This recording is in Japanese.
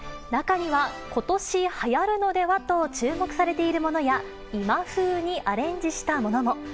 中には、ことしはやるのではと注目されているものや、今風にアレンジしたものも。